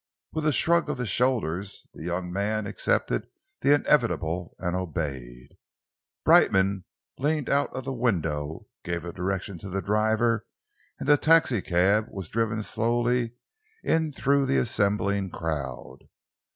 With a shrug of the shoulders, the young man accepted the inevitable and obeyed. Brightman leaned out of the window, gave a direction to the driver, and the taxicab was driven slowly in through the assembling crowd.